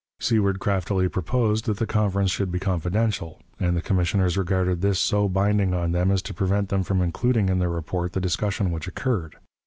Seward craftily proposed that the conference should be confidential, and the commissioners regarded this so binding on them as to prevent them from including in their report the discussion which occurred.